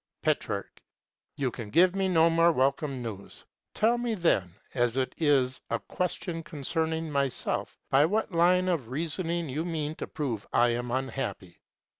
Petrarch. You could give me no more welcome news. Tell me, then, as it is a question concerning myself, by what line of reasoning you mean to prove I am unhappy.